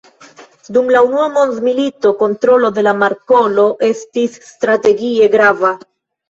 Dum la unua mondmilito, kontrolo de la markolo estis strategie grava.